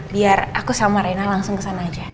biar aku sama reina langsung kesana aja